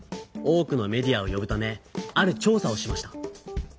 多くのメディアをよぶためある調さをしました。